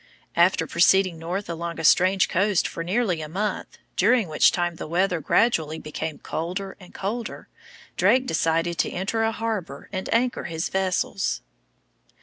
After proceeding north along a strange coast for nearly a month, during which time the weather gradually became colder and colder, Drake decided to enter a harbor and anchor his vessels.